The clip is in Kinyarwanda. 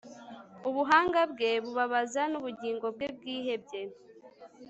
ubuhanga bwe bubabaza nubugingo bwe bwihebye